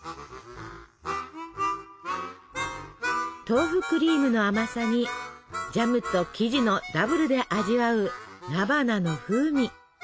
豆腐クリームの甘さにジャムと生地のダブルで味わう菜花の風味。